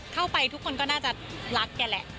เข้าไปทุกคนก็น่าจะรักแกแหละ